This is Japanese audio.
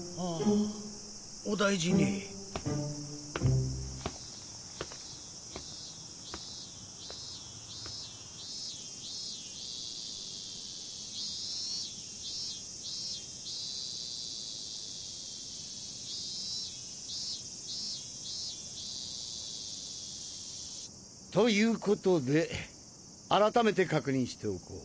お大事に。ということで改めて確認しておこう。